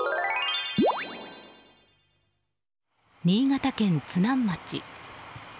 新潟県津南町。